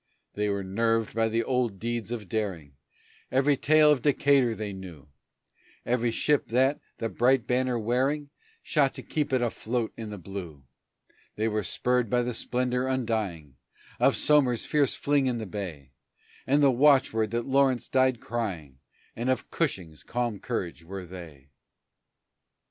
They were nerved by the old deeds of daring, Every tale of Decatur they knew, Every ship that, the bright banner bearing, Shot to keep it afloat in the blue; They were spurred by the splendor undying Of Somer's fierce fling in the bay, And the Watchword that Lawrence died crying, And of Cushing's calm courage were they.